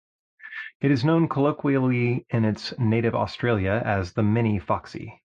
It is known colloquially in its native Australia as the "Mini Foxie".